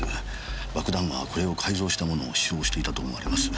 爆弾魔はこれを改造したものを使用していたと思われます。